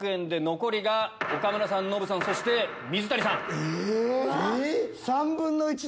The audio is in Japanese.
残りが岡村さんノブさんそして水谷さん。